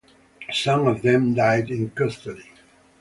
Some of them died in custody.